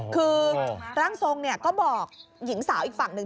คือร่างทรงก็บอกหญิงสาวอีกฝั่งหนึ่ง